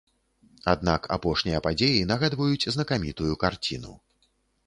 Аднак апошнія падзеі нагадваюць знакамітую карціну.